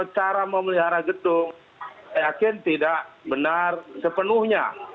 cara memelihara gedung saya yakin tidak benar sepenuhnya